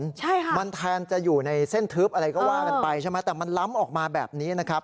ใช่ค่ะมันแทนจะอยู่ในเส้นทึบอะไรก็ว่ากันไปใช่ไหมแต่มันล้ำออกมาแบบนี้นะครับ